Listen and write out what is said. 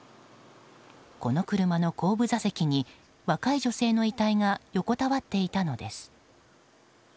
この車の後部座席に若い女性の遺体が横たわっていたのです。